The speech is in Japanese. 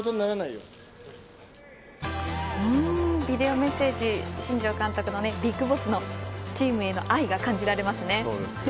ビデオメッセージ新庄監督のＢＩＧＢＯＳＳのチームへの愛が感じられますね。